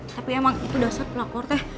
tapi emang itu dasar pelakor teh